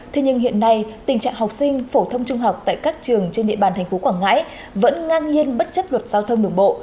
thế nhưng hiện nay tình trạng học sinh phổ thông trung học tại các trường trên địa bàn tp hcm vẫn ngang nhiên bất chấp luật giao thông đường bộ